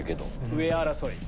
上争い。